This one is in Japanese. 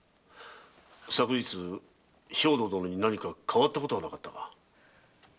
昨日兵藤殿に何か変わったことはなかったか？